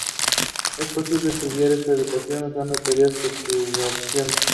Es posible estudiar esta ecuación usando teoría de perturbaciones.